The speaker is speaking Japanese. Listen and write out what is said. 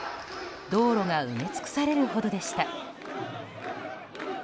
道路が埋め尽くされるほどでした。